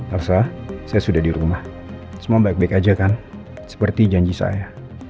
afsa saya sudah di rumah semua baik baik aja kan seperti janji saya